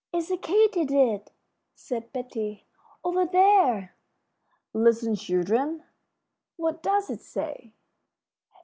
"It's a katydid," said Betty, "over there." "Listen, children, what does it say?"